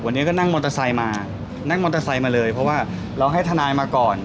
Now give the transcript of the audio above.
วันนี้ก็นั่งมอเตอร์ไซค์มานั่งมอเตอร์ไซค์มาเลยเพราะว่าเราให้ทนายมาก่อน